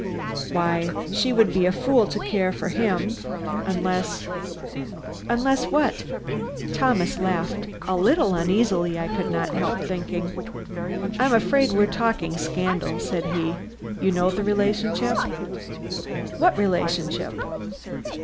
"Why, she would be a fool to care for him, unless " "Unless what?" Thomas laughed a little uneasily, I could not help thinking. "I'm afraid we're talking scandal," said he. "You know the relationship?" "What relationship?"